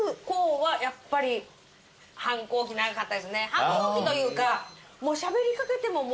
反抗期というか。